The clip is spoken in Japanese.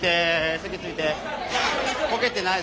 席着いて。